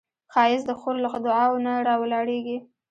ښایست د خور له دعاوو نه راولاړیږي